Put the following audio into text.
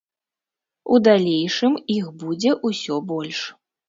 У далейшым іх будзе ўсё больш.